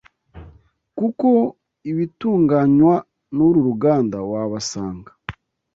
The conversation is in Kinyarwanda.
kuko ibitunganywa n’uru ruganda wabasanga